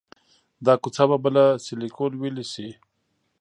دا کوڅه به بله سیلیکون ویلي شي